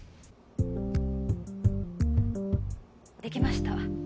できました。